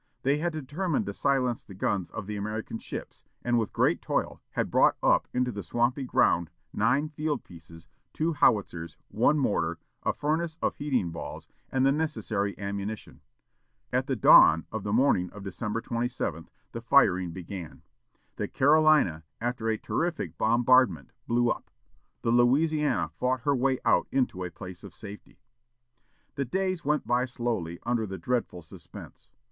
They had determined to silence the guns of the American ships, and, with great toil, had brought up into the swampy ground nine field pieces, two howitzers, one mortar, a furnace for heating balls, and the necessary ammunition. At dawn on the morning of December 27 the firing began. The Carolina, after a terrific bombardment, blew up. The Louisiana fought her way out into a place of safety. The days went by slowly under the dreadful suspense.